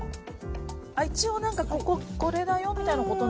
一応こここれだよみたいなことなのかな？